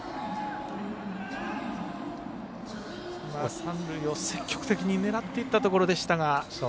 三塁を積極的に狙っていったところでしたが。